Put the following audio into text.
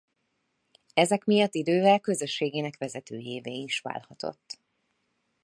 Ezek miatt idővel közösségének vezetőjévé is válhatott.